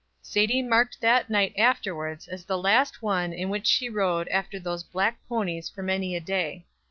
Sadie marked that night afterward as the last one in which she rode after those black ponies for many a day.